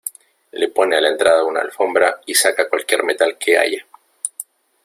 le pone a la entrada una alfombra y saca cualquier metal que haya.